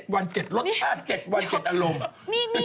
วัน๗รสชาติ๗วัน๗อารมณ์